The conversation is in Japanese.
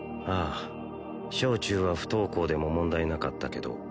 ああ小・中は不登校でも問題なかったけど